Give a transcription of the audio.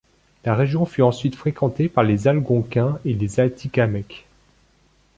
La région fut ensuite fréquentée par les algonquins et les atikameks.